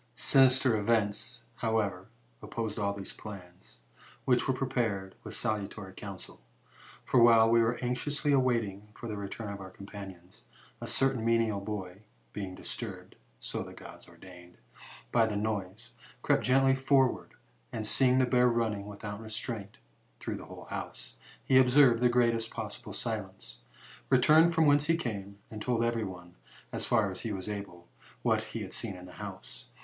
"Sinister event, however, opposed all these plans, which were prepared with salutary counsel. For, while we were anxiously waiting for the return ot our companions, a certain menial boy, being disturbed (so the Gods ordained) by the noise, crept gently forward, and seeing the bear running, without restraint, through the whole house, he observed the greatest possible silence, returned from whence he came^ and told to every one, as far as he was able, what he had seen in the house.